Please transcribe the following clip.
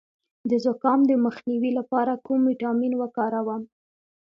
د زکام د مخنیوي لپاره کوم ویټامین وکاروم؟